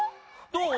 どう？